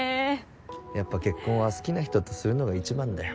やっぱ結婚は好きな人とするのが一番だよ。